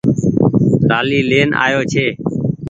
رآلي لين آيو ڇي۔